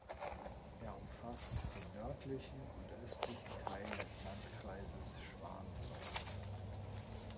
Er umfasst den nördlichen und östlichen Teil des Landkreises Schwandorf.